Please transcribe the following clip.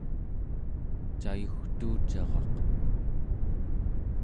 cayugtuucaraq